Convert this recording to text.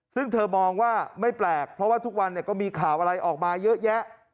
ซึ่งเธอมองว่าไม่แปลกเพราะว่าทุกวันก็มีข่าวอะไรออกมาเยอะแยะ